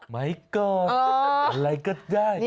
ไม่โกรธอะไรก็ได้